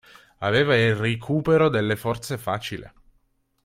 Aveva il ricupero delle forze facile!